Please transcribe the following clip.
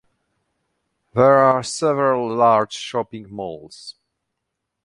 There are several large shopping malls.